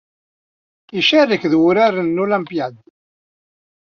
Icarek dy wuṛaṛen n Olympiade.